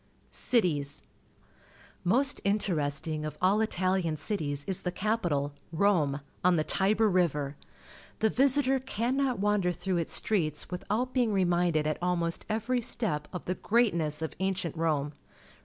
Cities. — Most interesting of all Italian cities is the capital, Rome, on the Tibe r Rive r. The visitor cannot wander through Its streets without being reminded at almost every step of the greatness of ancient Rome.